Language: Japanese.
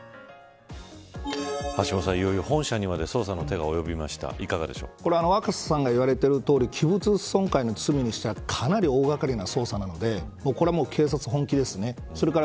橋下さん、いよいよ本社にまで捜査の手が及びましたが若狭さんが言われてるとおり器物損壊の罪にしてはかなり大掛かりな捜査なので警察は本気です。